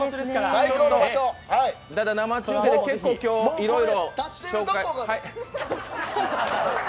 生中継で今日いろいろ